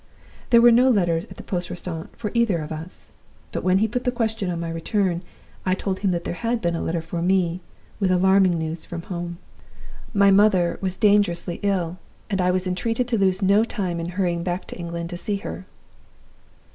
There were no letters at the poste restante for either of us. But when he put the question on my return, I told him that there had been a letter for me, with alarming news from 'home.' My 'mother' was dangerously ill, and I was entreated to lose no time in hurrying back to England to see her.